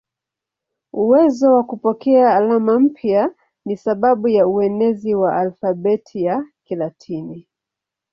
Uwezo wa kupokea alama mpya ni sababu ya uenezi wa alfabeti ya Kilatini.